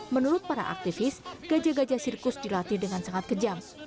menurut para aktivis gajah gajah sirkus dilatih dengan sangat kejam